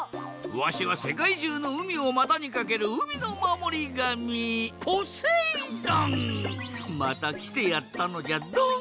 わしはせかいじゅうのうみをまたにかけるうみのまもりがみまたきてやったのじゃドン！